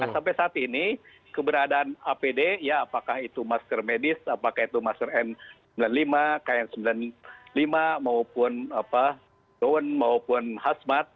sampai saat ini keberadaan apd ya apakah itu masker medis apakah itu masker n sembilan puluh lima kn sembilan puluh lima maupun doan maupun hazmat